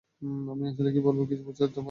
আমি আসলে কী বলব কিছু বুঝে উঠতে পারছি না।